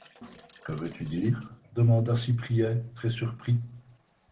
Que veux-tu dire? demanda Cyprien, très surpris.